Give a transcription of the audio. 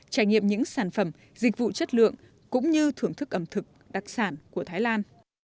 trải nghiệm những sản phẩm dịch vụ chất lượng cũng như thưởng thức ẩm thực đặc sản của thái lan